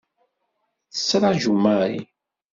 Tettraǧu Mary.